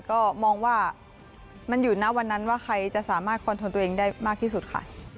ก็มองว่ามันอยู่ณวันนั้นว่าใครจะสามารถคอนโทนตัวเองได้มากที่สุดค่ะ